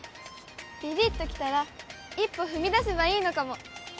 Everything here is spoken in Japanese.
ビビッときたら一歩踏み出せばいいのかも。